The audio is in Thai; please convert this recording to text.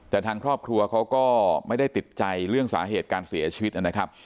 แต่ทางครอบครัวเขาก็ไม่ได้ติดใจเรื่องสาเหตุการเสียชีวิตนะครับ